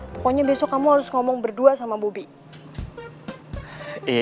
pokoknya besok kamu harus ngomong berdua sama bobi